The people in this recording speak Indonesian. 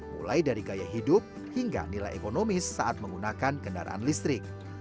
mulai dari gaya hidup hingga nilai ekonomis saat menggunakan kendaraan listrik